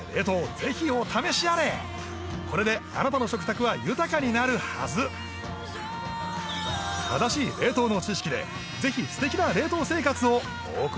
ぜひお試しあれこれであなたの食卓は豊かになるはず正しい冷凍の知識でぜひ素敵な冷凍生活をお送りください